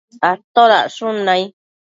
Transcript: atodacshun nai?